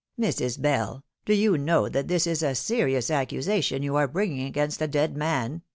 " Mrs. Bell, do you know that this is a serious accusation you are bringing against a dead man